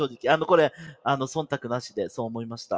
これ忖度なしでそう思いました。